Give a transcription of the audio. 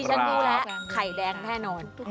ฉันรู้แล้วไข่แดงแน่นอน